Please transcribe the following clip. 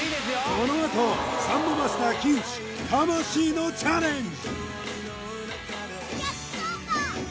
このあとサンボマスター木内魂のチャレンジ！